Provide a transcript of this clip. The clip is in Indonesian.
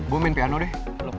gue main piano deh